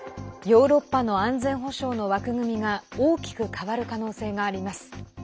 ヨーロッパの安全保障の枠組みが大きく変わる可能性があります。